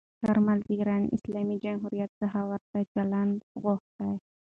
کارمل د ایران اسلامي جمهوریت څخه ورته چلند غوښت.